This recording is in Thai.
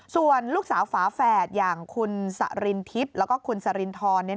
ส่วนลูกสาวฝาแฝดอย่างคุณสรินทิพย์แล้วก็คุณสรินทร